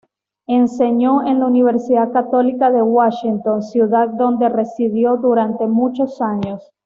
Enseñó en la Universidad Católica de Washington, ciudad donde residió durante muchos años.